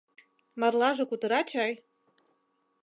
Марлаже кутыра чай?